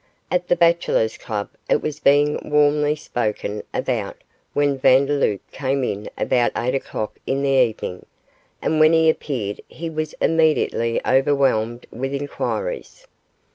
At the Bachelor's Club it was being warmly spoken about when Vandeloup came in about eight o'clock in the evening; and when he appeared he was immediately overwhelmed with inquiries.